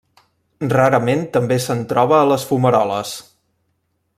Rarament també se'n troba a les fumaroles.